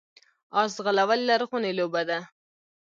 اس ځغلول لرغونې لوبه ده